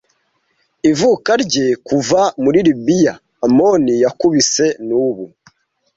Ivuka rye kuva muri Libiya Amoni, yakubise nubu